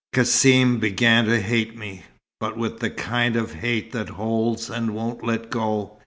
Cassim began to hate me, but with the kind of hate that holds and won't let go.